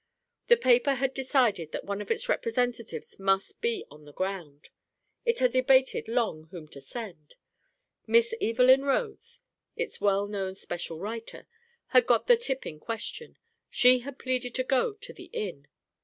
The paper had decided that one of its representatives must be on the ground. It had debated long whom to send. Miss Evelyn Rhodes, its well known special writer, had got the tip in question; she had pleaded to go to the inn.